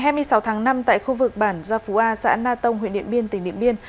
ngày hai mươi sáu tháng năm tại khu vực bản gia phú a xã na tông huyện điện biên tỉnh điện biên